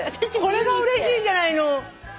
これがうれしいじゃない